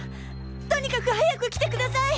とにかく早く来てください！